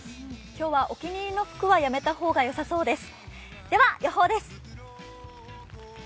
今日はお気に入りの服はやめた方がよさそうです。